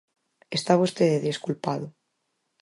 Está vostede desculpado.